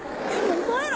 お前ら！